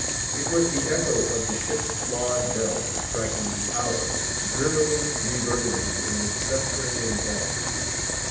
It was the echo of the ship's flawed bell, striking the hour, drearily reverberated in this subterranean vault.